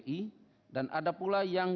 i dan ada pula yang